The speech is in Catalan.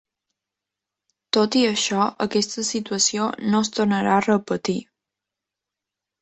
Tot i això, aquesta situació no es tornarà a repetir.